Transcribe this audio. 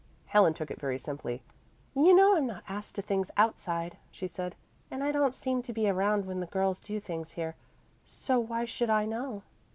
Helen took it very simply. "You know I'm not asked to things outside," she said, "and I don't seem to be around when the girls do things here. So why should I know?"